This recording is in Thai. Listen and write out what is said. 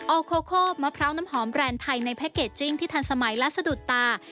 อโคโคมะพร้าวน้ำหอมแรนด์ไทยในแพ็คเกจจิ้งที่ทันสมัยและสะดุดตา